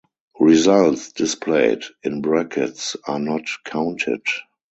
Results displayed "(in brackets)" are not counted.